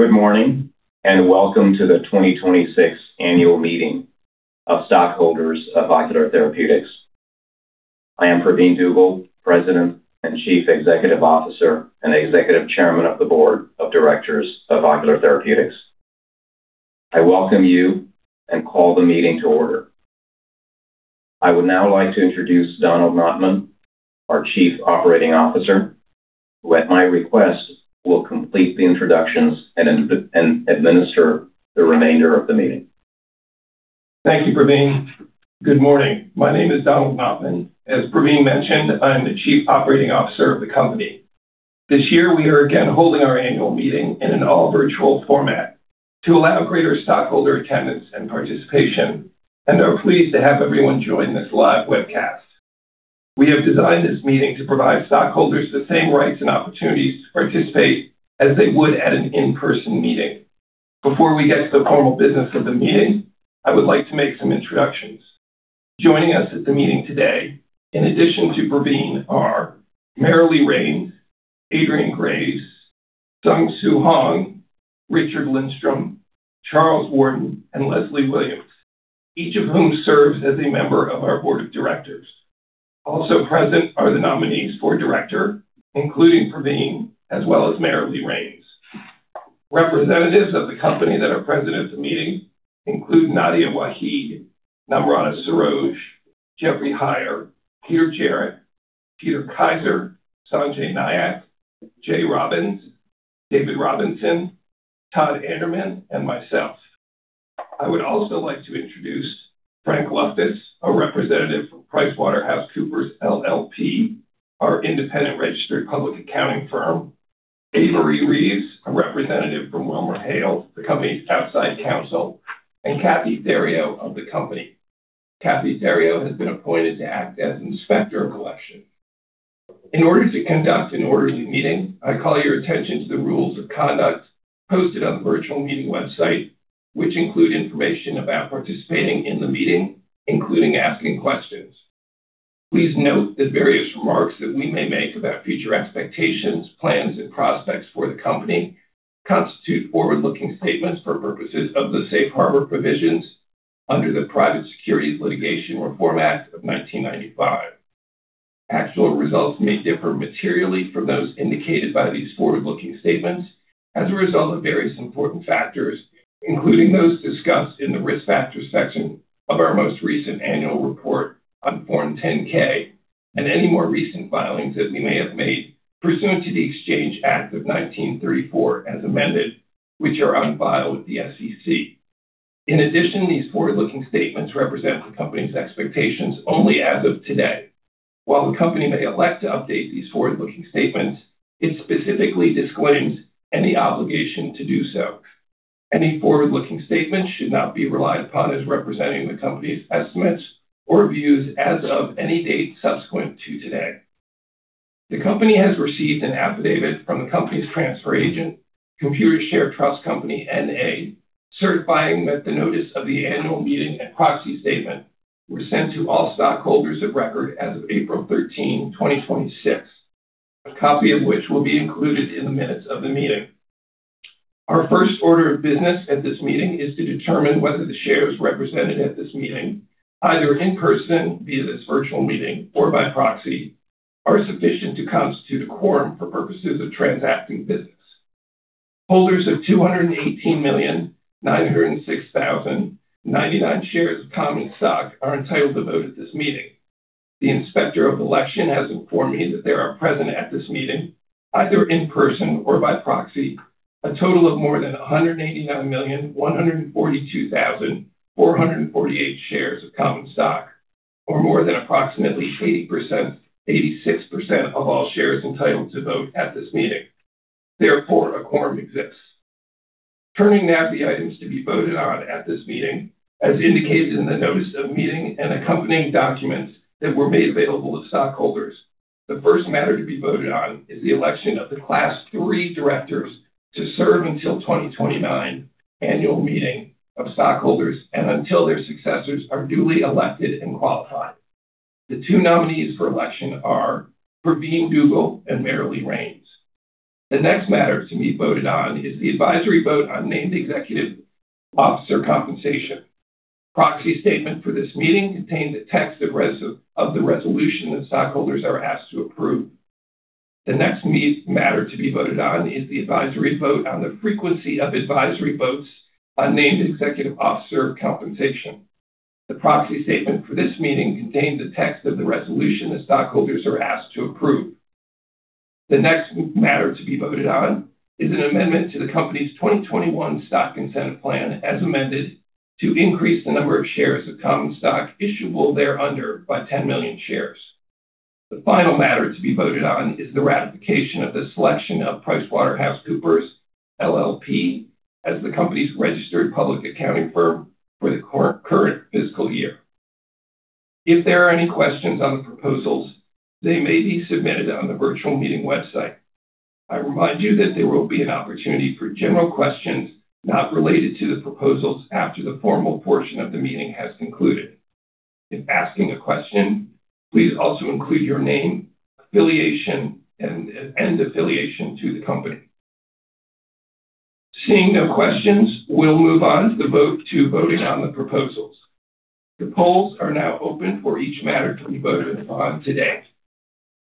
Good morning. Welcome to the 2026 Annual Meeting of Stockholders of Ocular Therapeutix. I am Pravin Dugel, President and Chief Executive Officer and Executive Chairman of the Board of Directors of Ocular Therapeutix. I welcome you and call the meeting to order. I would now like to introduce Donald Notman, our Chief Operating Officer, who at my request, will complete the introductions and administer the remainder of the meeting. Thank you, Pravin. Good morning. My name is Donald Notman. As Pravin mentioned, I am the Chief Operating Officer of the company. This year, we are again holding our annual meeting in an all-virtual format to allow greater stockholder attendance and participation and are pleased to have everyone join this live webcast. We have designed this meeting to provide stockholders the same rights and opportunities to participate as they would at an in-person meeting. Before we get to the formal business of the meeting, I would like to make some introductions. Joining us at the meeting today, in addition to Pravin, are Merilee Raines, Adrienne Graves, SeungSuh Hong, Richard Lindstrom, Charles Warden, and Leslie Williams, each of whom serves as a member of our Board of Directors. Also present are the nominees for director, including Pravin as well as Merilee Raines. Representatives of the company that are present at the meeting include Nadia Waheed, Namrata Saroj, Jeffrey Heier, Peter Jarrett, Peter Kaiser, Sanjay Nayak, Jay Robins, David Robinson, Todd Anderman, and myself. I would also like to introduce Frank Loftos, a representative from PricewaterhouseCoopers LLP, our Independent Registered Public Accounting firm, Avery Reaves, a representative from WilmerHale, the company's outside counsel, and Kathleen Theriault of the company. Kathleen Theriault has been appointed to act as Inspector of Election. In order to conduct an orderly meeting, I call your attention to the rules of conduct posted on the virtual meeting website, which include information about participating in the meeting, including asking questions. Please note that various remarks that we may make about future expectations, plans, and prospects for the company constitute forward-looking statements for purposes of the safe harbor provisions under the Private Securities Litigation Reform Act of 1995. Actual results may differ materially from those indicated by these forward-looking statements as a result of various important factors, including those discussed in the Risk Factors section of our most recent annual report on Form 10-K, and any more recent filings that we may have made pursuant to the Exchange Act of 1934 as amended, which are on file with the SEC. In addition, these forward-looking statements represent the company's expectations only as of today. While the company may elect to update these forward-looking statements, it specifically disclaims any obligation to do so. Any forward-looking statements should not be relied upon as representing the company's estimates or views as of any date subsequent to today. The company has received an affidavit from the company's transfer agent, Computershare Trust Company, N.A., certifying that the notice of the annual meeting and proxy statement were sent to all stockholders of record as of April 13, 2026, a copy of which will be included in the minutes of the meeting. Our first order of business at this meeting is to determine whether the shares represented at this meeting, either in person via this virtual meeting or by proxy, are sufficient to constitute a quorum for purposes of transacting business. Holders of 218,906,099 shares of common stock are entitled to vote at this meeting. The Inspector of Election has informed me that there are present at this meeting, either in person or by proxy, a total of more than 189,142,448 shares of common stock, or more than approximately 86% of all shares entitled to vote at this meeting. A quorum exists. Turning now to the items to be voted on at this meeting. As indicated in the notice of meeting and accompanying documents that were made available to stockholders, the first matter to be voted on is the election of the Class III directors to serve until 2029 annual meeting of stockholders and until their successors are duly elected and qualified. The two nominees for election are Pravin Dugel and Merilee Raines. The next matter to be voted on is the advisory vote on named executive officer compensation. Proxy statement for this meeting contains a text of the resolution that stockholders are asked to approve. The next matter to be voted on is the advisory vote on the frequency of advisory votes on named executive officer compensation. The proxy statement for this meeting contains a text of the resolution that stockholders are asked to approve. The next matter to be voted on is an amendment to the company's 2021 Stock Incentive Plan as amended to increase the number of shares of common stock issuable thereunder by 10 million shares. The final matter to be voted on is the ratification of the selection of PricewaterhouseCoopers, LLP, as the company's registered public accounting firm for the current fiscal year. If there are any questions on the proposals, they may be submitted on the virtual meeting website. I remind you that there will be an opportunity for general questions not related to the proposals after the formal portion of the meeting has concluded. If asking a question, please also include your name, affiliation, and affiliation to the company. Seeing no questions, we'll move on to voting on the proposals. The polls are now open for each matter to be voted upon today.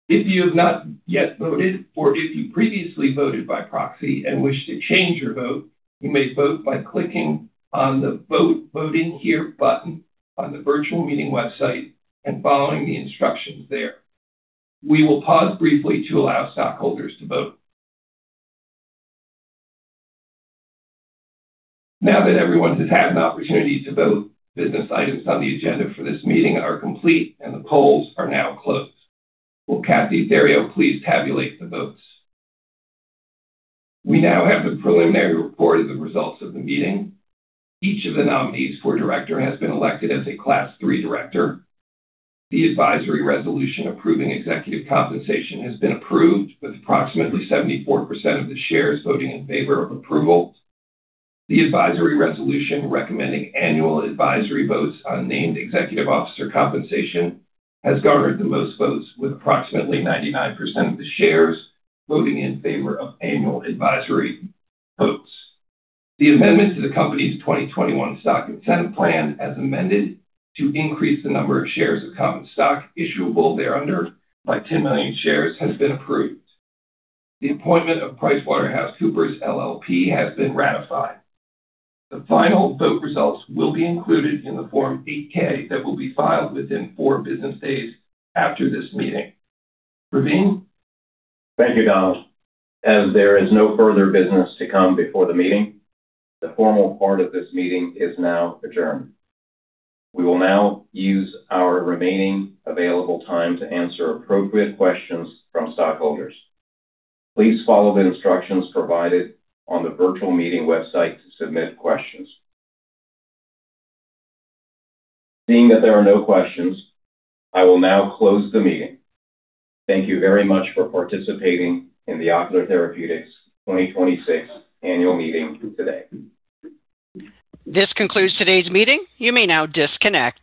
If you have not yet voted or if you previously voted by proxy and wish to change your vote, you may vote by clicking on the Vote Voting Here button on the virtual meeting website and following the instructions there. We will pause briefly to allow stockholders to vote. Now that everyone has had an opportunity to vote, business items on the agenda for this meeting are complete and the polls are now closed. Will Kathy Theriault please tabulate the votes? We now have the preliminary report of the results of the meeting. Each of the nominees for director has been elected as a Class III director. The advisory resolution approving executive compensation has been approved with approximately 74% of the shares voting in favor of approval. The advisory resolution recommending annual advisory votes on named executive officer compensation has garnered the most votes, with approximately 99% of the shares voting in favor of annual advisory votes. The amendment to the company's 2021 Stock Incentive Plan, as amended to increase the number of shares of common stock issuable thereunder by 10 million shares, has been approved. The appointment of PricewaterhouseCoopers LLP has been ratified. The final vote results will be included in the Form 8-K that will be filed within four business days after this meeting. Pravin? Thank you, Donald. As there is no further business to come before the meeting, the formal part of this meeting is now adjourned. We will now use our remaining available time to answer appropriate questions from stockholders. Please follow the instructions provided on the virtual meeting website to submit questions. Seeing that there are no questions, I will now close the meeting. Thank you very much for participating in the Ocular Therapeutix 2026 annual meeting today. This concludes today's meeting. You may now disconnect.